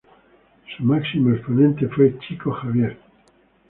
Su máximo exponente fue Chico Xavier.